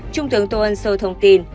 trung tướng tô ân sô thông tin